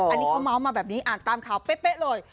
อันนี้เขาเมาส์มาแบบนี้อ่านตามข่าวเป๊ะเลย